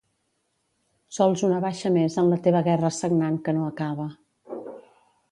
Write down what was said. Sols una baixa més en la teva guerra sagnant que no acaba.